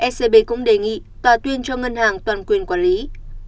scb cũng đề nghị tòa tuyên cho ngân hàng toàn quyền quản lý